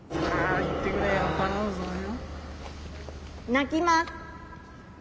鳴きます！